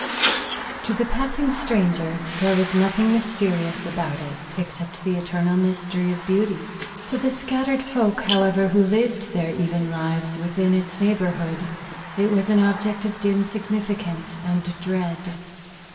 To the passing stranger there was nothing mysterious about it except the eternal mystery of beauty. To the scattered folk, however, who lived their even lives within its neighborhood, it was an object of dim significance and dread.